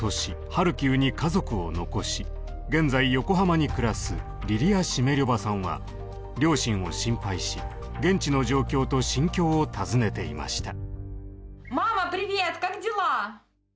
ハルキウに家族を残し現在横浜に暮らすリリア・シメリョヴァさんは両親を心配し現地の状況と心境を尋ねていました。